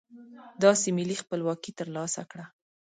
داسې ملي خپلواکي ترلاسه کړه.